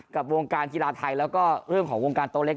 กับวงการกีฬาไทยแล้วก็เรื่องของวงการโต๊เล็ก